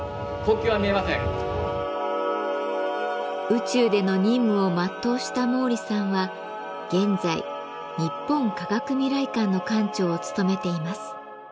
宇宙での任務を全うした毛利さんは現在日本科学未来館の館長を務めています。